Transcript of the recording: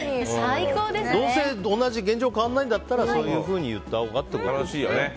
どうせ同じ現状が変わらないんだったらそういうふうに言ったほうがってことだよね。